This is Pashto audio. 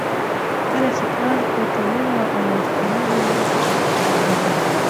کله چې پلان په ټنونو اوسپنیزو ورقو کې لیکل کېږي.